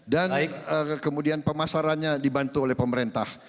dan kemudian pemasarannya dibantu oleh pemerintah